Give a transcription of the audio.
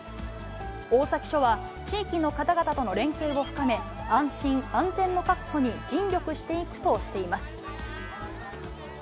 大崎署は、地域の方々との連携を深め、安心・安全の確保に尽力していくとしています。